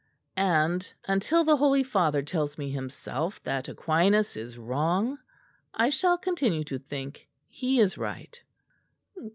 And until the Holy Father tells me himself that Aquinas is wrong, I shall continue to think he is right."